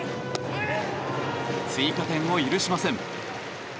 追加点を許しません。